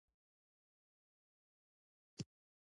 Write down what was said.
پاچاهي په همدې وطن جوړه ده.